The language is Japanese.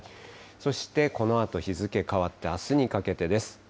そして、このあと日付変わって、あすにかけてです。